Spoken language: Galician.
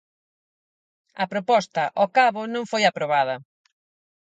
A proposta, ao cabo, non foi aprobada.